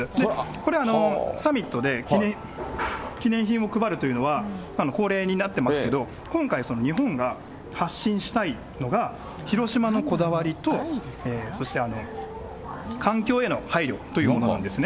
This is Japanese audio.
これサミットで記念品を配るというのは恒例になってますけれども、今回、日本が発信したいのが、広島のこだわりと、そして環境への配慮というものなんですね。